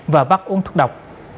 và bắt uống thuốc độc